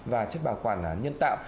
và chất bảo quản nhân tạo